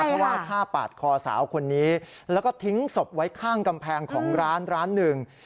เพราะว่าฆ่าปาดคอสาวคนนี้แล้วก็ทิ้งศพไว้ข้างกำแพงของร้านร้านหนึ่ง